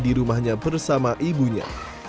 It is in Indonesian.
di rumahnya bersama ibunya